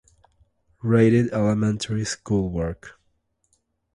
Rated Elementary School work.